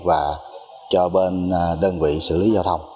và cho bên đơn vị xử lý giao thông